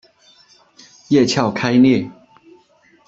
叶鞘开裂。